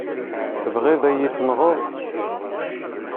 Tebɣiḍ ad yi-tenɣeḍ?